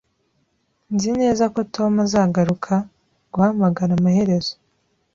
Nzi neza ko Tom azagaruka guhamagara amaherezo